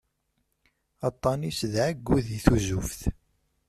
Aṭṭan-is d ɛeggu di tuzuft.